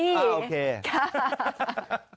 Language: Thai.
อ่าโอเคค่ะฮา